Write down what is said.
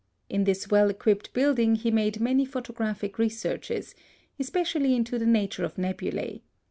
In this well equipped building he made many photographic researches, especially into the nature of nebulae.